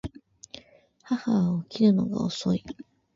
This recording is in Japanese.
母は起きるのが遅い